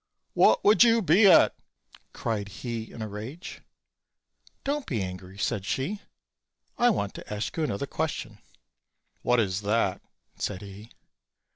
"What would you be at?" cried he in a rage. "Don't be angry," said she; "I want to ask you another question." "What is that?" said he.